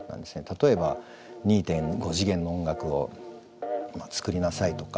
例えば２．５次元の音楽を作りなさいとか。